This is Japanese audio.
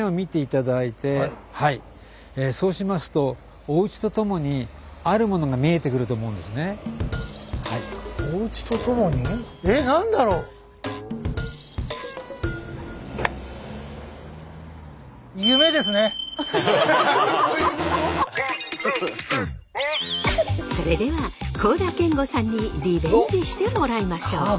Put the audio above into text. そうしますとそれでは高良健吾さんにリベンジしてもらいましょう。